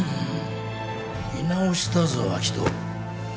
見直したぞ明人。